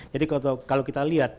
jadi kalau kita lihat